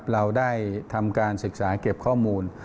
เราได้ทำการศึกษาเก็บข้อมูล